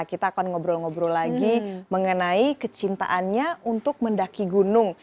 kita akan ngobrol ngobrol lagi mengenai kecintaannya untuk mendaki gunung